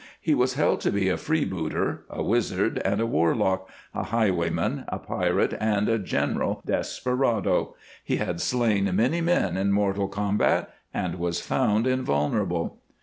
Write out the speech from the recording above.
He was held to be a free booter, a wizard and a warlock, a highwayman, a pirate, and a general desperado. He had slain many men in mortal combat, and was found invulnerable.